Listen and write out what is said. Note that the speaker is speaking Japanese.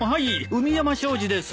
海山商事です。